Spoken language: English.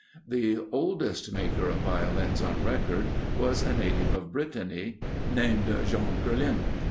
The oldest maker of Violins on record was a native of Brittany, named Jean Kerlin.